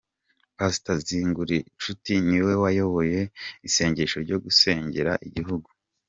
Pastor Zigirinshuti ni we wayoboye isengesho ryo gusengera igihugu.